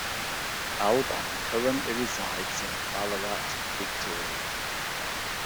Alban currently resides in Ballarat, Victoria.